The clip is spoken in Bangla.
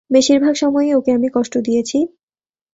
বেশির ভাগ সময়ই ওকে আমি কষ্ট দিয়েছি।